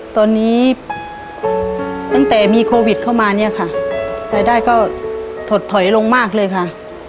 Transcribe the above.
ตอนนี้ตั้งแต่มีโควิดเข้ามาเนี่ยค่ะรายได้ก็ถดถอยลงมากเลยค่ะ